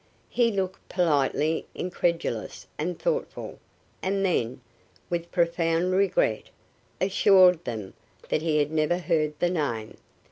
He looked politely incredulous and thoughtful, and then, with profound regret, assured them he had never heard the name.